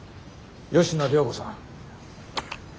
吉野涼子さん。